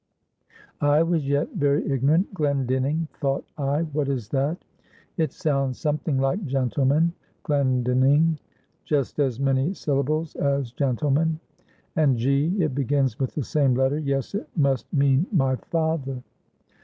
I was yet very ignorant. Glendinning, thought I, what is that? It sounds something like gentleman; Glen din ning; just as many syllables as gentleman; and G it begins with the same letter; yes, it must mean my father.